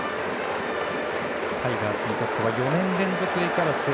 タイガースにとっては４年連続Ａクラス。